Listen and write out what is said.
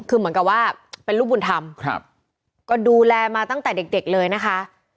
คือเหมือนกับว่าเป็นลูกบุญธรรมครับก็ดูแลมาตั้งแต่เด็กเลยนะคะ